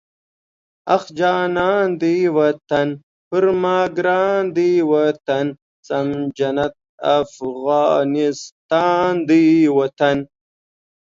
اخ جانان دی وطن، پر ما ګران دی وطن، سم جنت افغانستان دی وطن